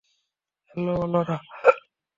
Hello, Laura.